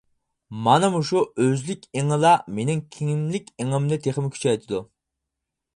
مانا مۇشۇ ئۆزلۈك ئېڭىلا مېنىڭ كىملىك ئېڭىمنى تېخىمۇ كۈچەيتىدۇ.